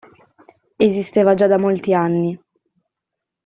Esisteva già da molti anni.